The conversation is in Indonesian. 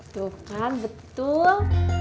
tuh kan betul